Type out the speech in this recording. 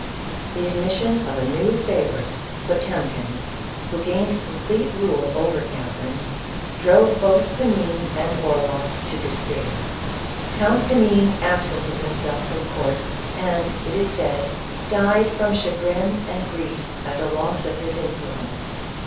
The admission of a new favorite, Potemkin, who gain ed complete rule over Catherine, drove both Panin and Orloff to despair. Count Panin absented himself from court, and, it is said, died from chagrin and grief at the loss of his influence.